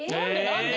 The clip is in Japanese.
何で？